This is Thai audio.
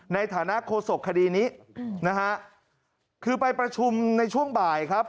ในฐานะโฆษกคดีนี้นะฮะคือไปประชุมในช่วงบ่ายครับ